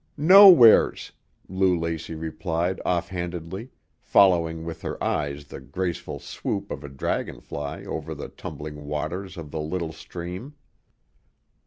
"Nowheres," Lou Lacey replied offhandedly, following with her eyes the graceful swoop of a dragonfly over the tumbling waters of the little stream.